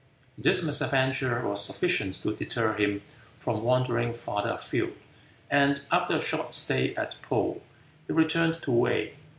This misadventure was sufficient to deter him from wandering farther a field, and, after a short stay at Poo, he returned to Wei.